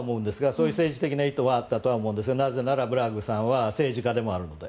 それもあったとは思うんですがなぜなら、ブラッグさんは政治家でもあるので。